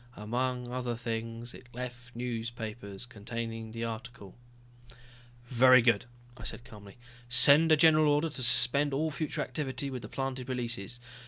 Among other things, it left newspapers containing the article." "Very good," I said calmly. "Send a general order to suspend all future activity with the planted releases.